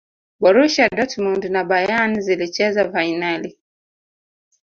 borusia dortmund na bayern zilicheza fainali